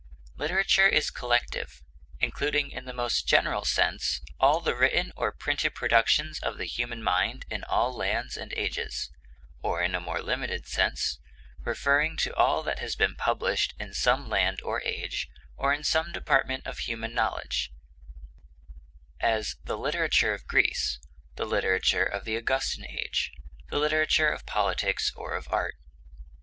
Literature is collective, including in the most general sense all the written or printed productions of the human mind in all lands and ages, or in a more limited sense, referring to all that has been published in some land or age, or in some department of human knowledge; as, the literature of Greece; the literature of the Augustan age; the literature of politics or of art.